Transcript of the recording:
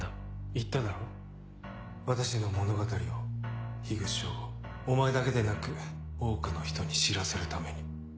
言っただろ私の物語を口彰吾お前だけでなく多くの人に知らせるために。